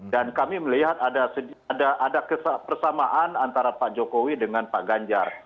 dan kami melihat ada persamaan antara pak jokowi dengan pak ganjar